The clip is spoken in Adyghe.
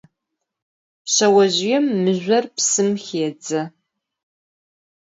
Şseozjıêm mızjor psım xêdze.